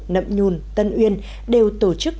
nậm nhun tân uyên đều tổ chức